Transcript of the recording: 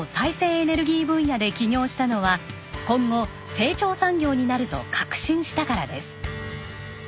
エネルギー分野で起業したのは今後成長産業になると確信したからです。